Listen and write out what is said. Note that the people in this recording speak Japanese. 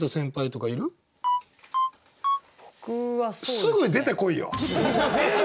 すぐ出てこいよ！